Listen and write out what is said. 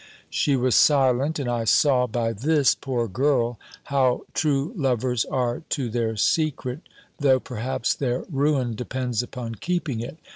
She was silent; and I saw by this, poor girl, how true lovers are to their secret, though, perhaps, their ruin depends upon keeping it.